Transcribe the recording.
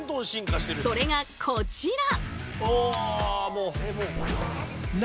それがこちら。